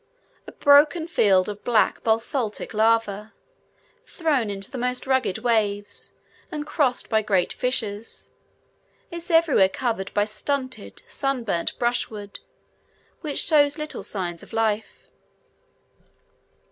A broken field of black basaltic lava, thrown into the most rugged waves, and crossed by great fissures, is everywhere covered by stunted, sun burnt brushwood, which shows little signs of life.